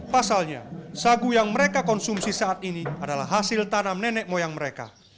pasalnya sagu yang mereka konsumsi saat ini adalah hasil tanam nenek moyang mereka